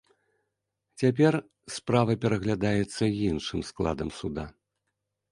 Цяпер справа пераглядаецца іншым складам суда.